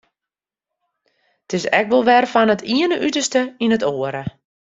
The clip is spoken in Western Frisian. It is ek wol wer fan it iene uterste yn it oare.